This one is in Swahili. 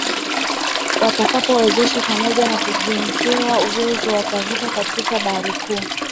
Watakapowezeshwa pamoja na kujengewa uwezo watavua katika bahari kuu